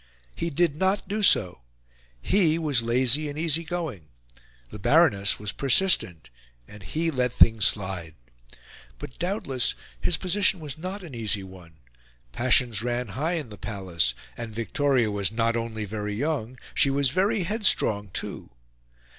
He did not do so; he was lazy and easy going; the Baroness was persistent, and he let things slide. But doubtless his position was not an easy one; passions ran high in the palace; and Victoria was not only very young, she was very headstrong, too.